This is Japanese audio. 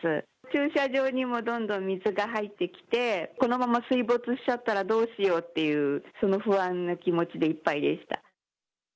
駐車場にもどんどん水が入ってきて、このまま水没しちゃったらどうしようっていうその不安な気持ちでいっぱいでした。